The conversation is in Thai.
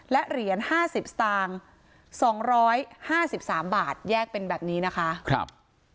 และเหรียญห้าสิบสตางค์สองร้อยห้าสิบสามบาทแยกเป็นแบบนี้นะคะครับ